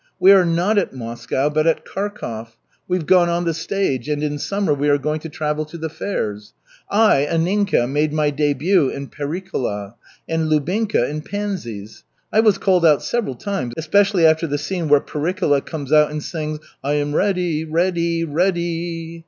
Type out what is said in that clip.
We are not at Moscow but at Kharkov. We've gone on the stage, and in summer we are going to travel to the fairs. I, Anninka, made my début in Pericola, and Lubinka in Pansies. I was called out several times, especially after the scene where Pericola comes out and sings 'I am ready, ready, read d d y!'